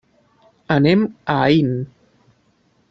Anem a Aín.